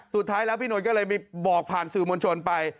สุดท้ายแล้วพี่นนท์ก็เลยมีบอกผ่านสื่อมวลชนไป